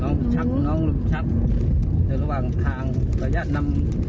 น้องลูกชักน้องลูกชักในระหว่างทางระยะนำ